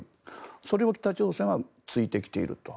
それを北朝鮮は突いてきていると。